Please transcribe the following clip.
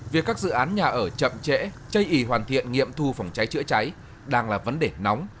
việc các dự án nhà ở chậm trễ chây ý hoàn thiện nghiệm thu phòng cháy chữa cháy đang là vấn đề nóng